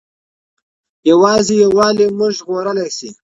یوازې یووالی موږ ژغورلی سي.